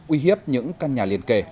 uy hiếp những căn nhà liên kề